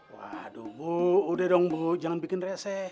waduh bu udah dong bu jangan bikin reseh